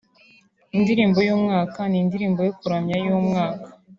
Indirimbo y’Umwaka n’Indirimbo yo kuramya y’Umwaka